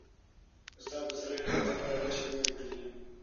استاد پسرلي د طبیعت په اړه ډېر شعرونه لیکلي.